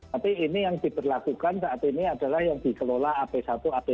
tapi ini yang diberlakukan saat ini adalah yang dikelola ap satu apb